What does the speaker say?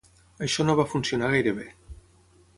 Això no va funcionar gaire bé.